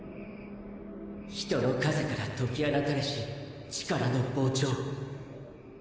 人の枷から解き放たれし力の膨張。